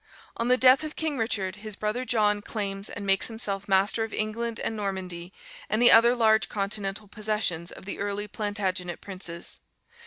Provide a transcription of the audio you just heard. On the death of King Richard, his brother John claims and makes himself master of England and Normandy and the other large continental possessions of the early Plantagenet princes.